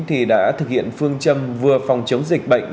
thì đã thực hiện phương châm vừa phòng chống dịch bệnh